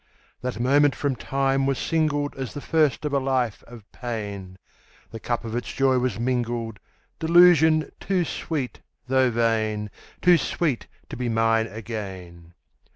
_10 3. That moment from time was singled As the first of a life of pain; The cup of its joy was mingled Delusion too sweet though vain! Too sweet to be mine again.